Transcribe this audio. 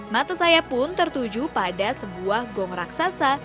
mata saya pun tertuju pada sebuah gong raksasa